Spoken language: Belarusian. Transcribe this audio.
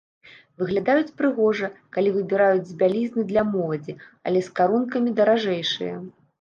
Выглядаюць прыгожа, калі выбіраць з бялізны для моладзі, але з карункамі даражэйшыя.